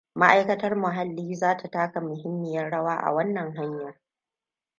Ma'aikatar Muhalli zata taka muhimmiyar rawa a wannan hanyar.